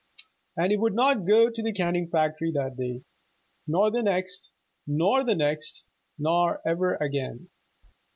And he would not go to the canning factory that day, nor the next, nor the next, nor ever again.